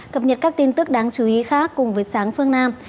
cập nhật các tin tức đáng chú ý khác cùng với sáng phương nam